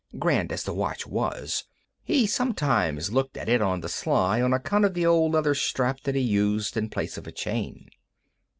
Grand as the watch was, he sometimes looked at it on the sly on account of the old leather strap that he used in place of a chain.